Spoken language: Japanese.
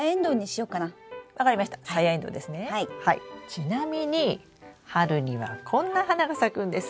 ちなみに春にはこんな花が咲くんです。